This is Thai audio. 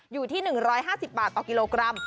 อยู่ที่๑๕๐บาทต่อกิโลกรัม